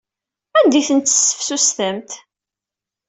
Anda ay tent-tesseftutsemt?